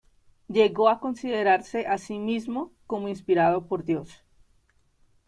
Llegó a considerarse a sí mismo como inspirado por Dios.